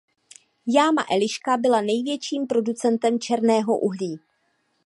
Jáma Eliška byla největším producentem černého uhlí.